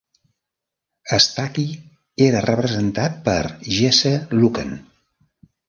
Staky era representat per Jesse Luken.